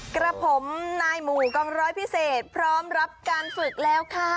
กระผมนายหมู่กองร้อยพิเศษพร้อมรับการฝึกแล้วค่ะ